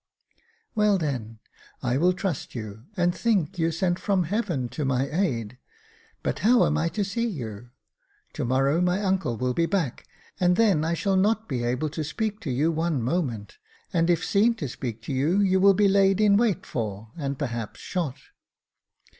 "Well, then, I will trust you, and think you sent from Heaven to my aid ; but how am I to see you .'' To morrow my uncle will be back, and then I shall not be able to speak to you one moment, and if seen to speak to you, you will be laid in wait for, and perhaps shot."